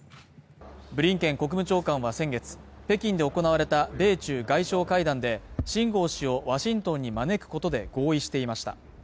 ブリンケン国務長官は先月北京で行われた米中外相会談で秦剛氏をワシントンに招くことで合意していました